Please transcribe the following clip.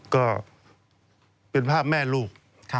ก็เป็นภาพแม่ลูก